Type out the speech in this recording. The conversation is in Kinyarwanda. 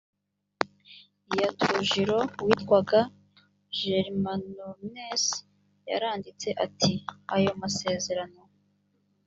ya trujillo witwaga german ornes yaranditse ati ayo masezerano